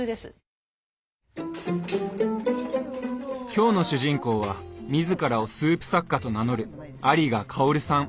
今日の主人公は自らをスープ作家と名乗る有賀薫さん。